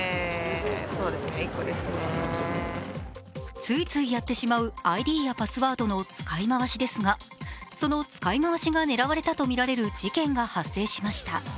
ついついやってしまうＩＤやパスワードの使い回しですが、その使い回しが狙われたとみられる事件が発生しました。